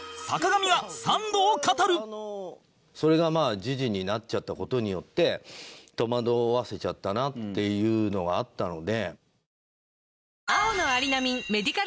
それがまあ時事になっちゃった事によって戸惑わせちゃったなっていうのがあったので。